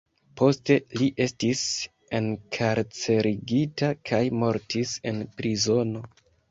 Poste li estis enkarcerigita kaj mortis en prizono.